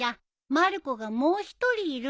まる子がもう一人いるんだよ。